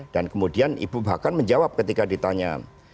dan kemudian ibu bahkan menjawab ketika ditanya